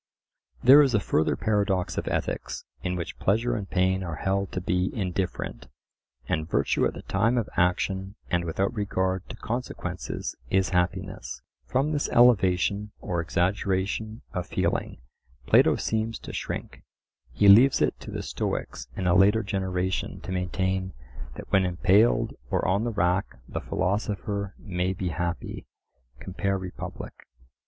There is a further paradox of ethics, in which pleasure and pain are held to be indifferent, and virtue at the time of action and without regard to consequences is happiness. From this elevation or exaggeration of feeling Plato seems to shrink: he leaves it to the Stoics in a later generation to maintain that when impaled or on the rack the philosopher may be happy (compare Republic).